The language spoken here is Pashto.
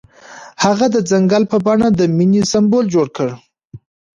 هغه د ځنګل په بڼه د مینې سمبول جوړ کړ.